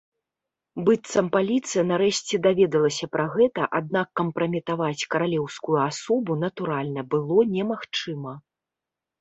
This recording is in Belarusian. Быццам, паліцыя нарэшце даведалася пра гэта, аднак кампраметаваць каралеўскую асобу, натуральна, было немагчыма.